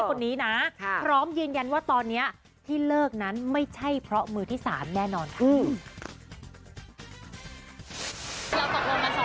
คนนี้นะพร้อมยืนยันว่าตอนนี้ที่เลิกนั้นไม่ใช่เพราะมือที่๓แน่นอนค่ะ